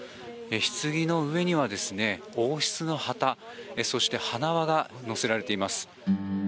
ひつぎの上には王室の旗そして花輪が載せられています。